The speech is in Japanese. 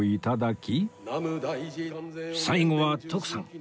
最後は徳さん